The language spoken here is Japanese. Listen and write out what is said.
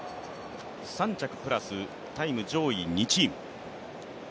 ３着プラスタイム上位２チーム。